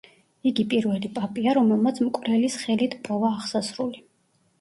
იგი პირველი პაპია, რომელმაც მკვლელის ხელით პოვა აღსასრული.